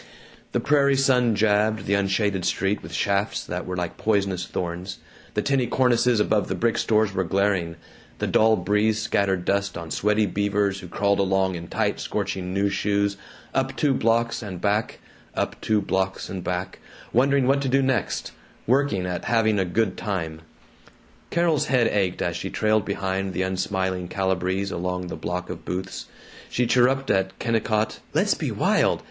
The prairie sun jabbed the unshaded street with shafts that were like poisonous thorns the tinny cornices above the brick stores were glaring; the dull breeze scattered dust on sweaty Beavers who crawled along in tight scorching new shoes, up two blocks and back, up two blocks and back, wondering what to do next, working at having a good time. Carol's head ached as she trailed behind the unsmiling Calibrees along the block of booths. She chirruped at Kennicott, "Let's be wild!